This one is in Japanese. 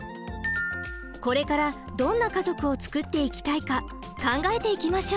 これからどんな家族を作っていきたいか考えていきましょう！